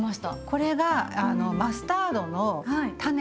これがマスタードの種。